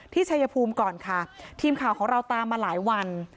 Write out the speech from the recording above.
ชัยภูมิก่อนค่ะทีมข่าวของเราตามมาหลายวัน